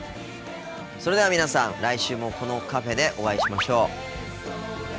それでは皆さん来週もこのカフェでお会いしましょう。